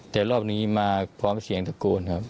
แต่รอบนี้มาพร้อมเสียงตะโกนครับ